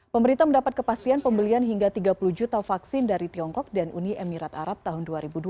pemerintah mendapat kepastian pembelian hingga tiga puluh juta vaksin dari tiongkok dan uni emirat arab tahun dua ribu dua puluh